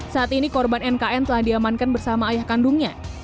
saat ini korban nkn telah diamankan bersama ayah kandungnya